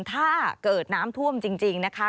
ถ้าเกิดน้ำท่วมจริงนะคะ